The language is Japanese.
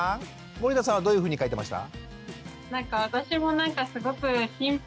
森田さんはどういうふうに書いてました？